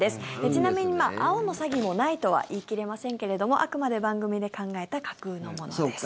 ちなみに、青の詐欺もないとは言い切れませんけれどもあくまで番組で考えた架空のものです。